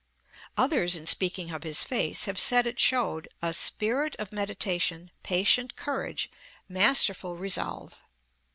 Others, in speaking of his face, have said it showed, "a spirit of meditation, patient courage, masterful resolve."